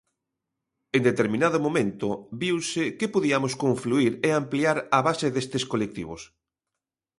En determinado momento viuse que podiamos confluír e ampliar a base destes colectivos.